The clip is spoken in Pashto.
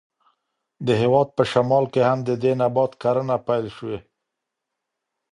د هېواد په شمال کې هم د دې نبات کرنه پیل شوې.